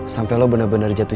sampai lo bener bener jatuh